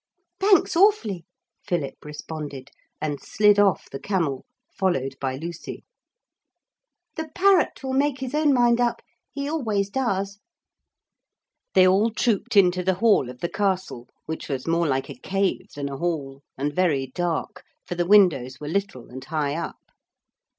'Thanks awfully,' Philip responded, and slid off the camel, followed by Lucy; 'the parrot will make his own mind up he always does.' They all trooped into the hall of the castle which was more like a cave than a hall and very dark, for the windows were little and high up.